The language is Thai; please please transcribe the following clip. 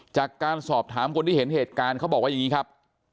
จากการสอบถามคนที่เห็นเหตุการณ์เขาบอกว่าอย่างนี้ครับ